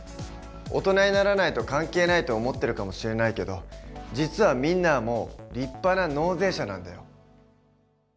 大人にならないと関係ないと思ってるかもしれないけど実はみんなはもう立派な納税者なんだよ。